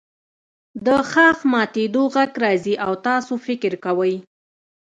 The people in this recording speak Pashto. د ښاخ ماتیدو غږ راځي او تاسو فکر کوئ